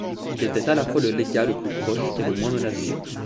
Il était à la fois le légat le plus proche et le moins menacé.